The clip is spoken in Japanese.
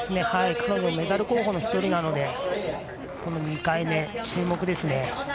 彼女はメダル候補の１人なのでこの２回目、注目ですね。